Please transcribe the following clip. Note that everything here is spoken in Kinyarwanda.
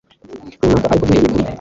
runaka Ariko duhereye kuri